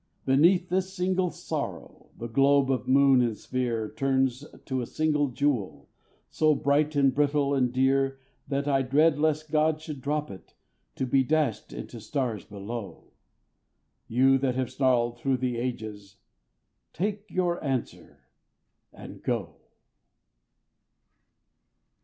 Beneath this single sorrow the globe of moon and sphere Turns to a single jewel, so bright and brittle and dear That I dread lest God should drop it, to be dashed into stars below. You that have snarled through the ages, take your answer and go.